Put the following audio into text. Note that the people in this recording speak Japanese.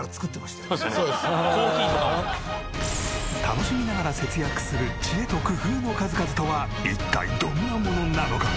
楽しみながら節約する知恵と工夫の数々とは一体どんなものなのか？